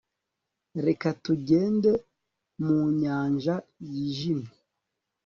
Reka tugende mu nyanja yijimye